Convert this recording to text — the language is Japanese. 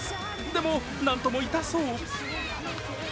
でも、なんとも痛そう。